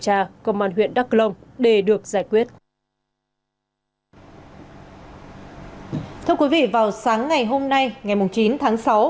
tra công an huyện đắk lông để được giải quyết cho quý vị vào sáng ngày hôm nay ngày mùng chín tháng sáu